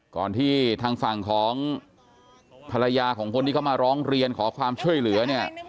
ก่อนที่ทางฝั่งของภรรยาของคนที่เขามาร้องเรียนขอความช่วยเหลือเนี่ย